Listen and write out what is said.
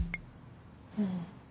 うん。